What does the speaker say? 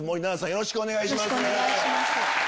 よろしくお願いします。